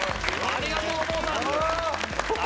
ありがとう「お坊さん」！